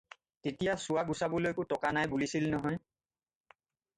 তেতিয়া চুৱা গুচাবলৈকো টকা নাই বুলিছিল নহয়।